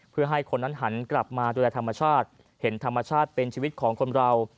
เพื่อให้คนนั้นหันกลับมาดูแลธรรมชาติเห็นธรรมชาติเป็นชีวิตของคนเรา